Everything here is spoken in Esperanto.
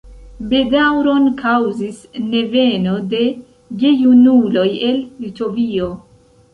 Bedaŭron kaŭzis neveno de gejunuloj el Litovio.